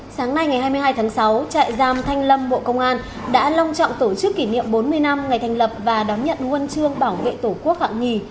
sáng nay ngày hai mươi hai tháng sáu trại giam thanh lâm bộ công an đã long trọng tổ chức kỷ niệm bốn mươi năm ngày thành lập và đón nhận huân chương bảo vệ tổ quốc hạng nhì